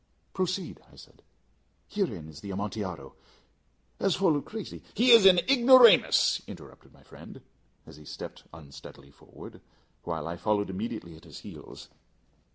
"Proceed," I said; "herein is the Amontillado. As for Luchesi " "He is an ignoramus," interrupted my friend, as he stepped unsteadily forward, while I followed immediately at his heels.